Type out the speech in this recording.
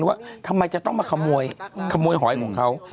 ว่าทำไมจะต้องมาขโมยหอยของเขา